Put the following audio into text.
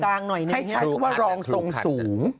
ให้ใช้ว่ารองทรงสูง